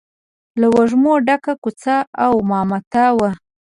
له وږمو ډکه کوڅه او مامته وه.